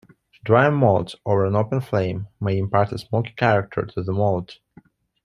Drying malt over an open flame may impart a smoky character to the malt.